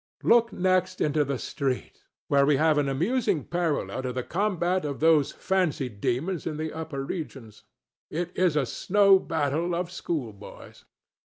Look next into the street, where we have an amusing parallel to the combat of those fancied demons in the upper regions. It is a snow battle of schoolboys.